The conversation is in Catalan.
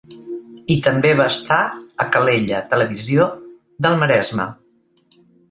I també va estar a Calella Televisió del Maresme.